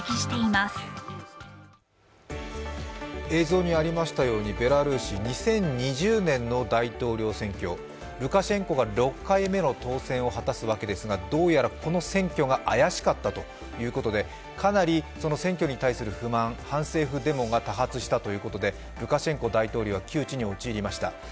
映像にありましたようにベラルーシ、２０２０年の大統領選挙ルカシェンコが６回目の当選を果たすわけですがどうやらこの選挙が怪しかったということで、かなり選挙に対する不満、反政府デモが多発したということでルカシェンコ大統領は窮地に陥りました。